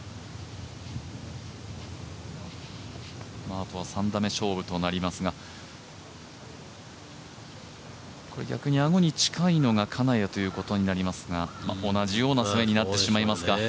あとは３打目勝負となりますが逆にアゴに近いのが金谷ということになりますが同じようになってしまいますか。